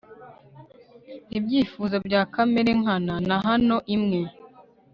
Ibyifuzo bya Kamere nkana na hano imwe